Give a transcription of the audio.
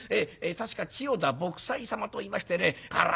確か千代田卜斎様といいましてねこら